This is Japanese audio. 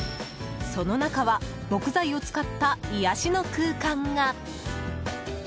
その中は木材を使った癒やしの空間が。